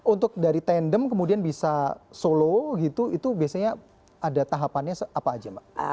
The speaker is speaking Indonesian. untuk dari tandem kemudian bisa solo gitu itu biasanya ada tahapannya apa aja mbak